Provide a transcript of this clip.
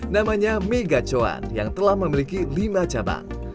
namanya mie gacuan yang telah memiliki lima cabang